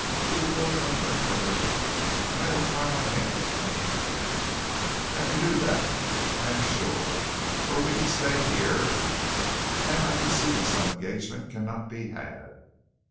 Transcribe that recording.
We will go to England or Italy, and I will try my hand at painting again. I can do that I am sure. Or, we can stay here, and I can see if some engagement cannot be had.